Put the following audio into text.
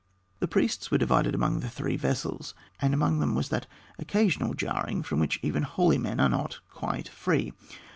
The priests were divided among the three vessels, and among them there was that occasional jarring from which even holy men are not quite free.